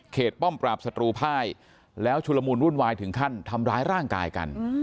ป้อมปราบศัตรูภายแล้วชุลมูลวุ่นวายถึงขั้นทำร้ายร่างกายกัน